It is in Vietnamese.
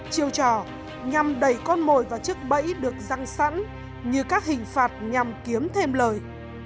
chiêu trò nhằm đẩy con mồi vào chức bẫy được răng sẵn như các hình phạt nhằm kiếm thêm lời